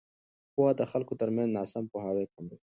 پوهه د خلکو ترمنځ ناسم پوهاوی کموي.